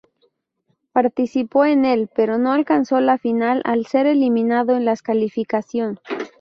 Participó en el pero no alcanzó la final al ser eliminado en las calificación.